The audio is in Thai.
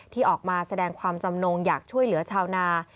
ที่ออกมาแสดงความจำนงอยากช่วยเหลือชาวนา